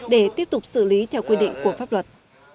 để tiếp tục xử lý theo quy định của pháp luật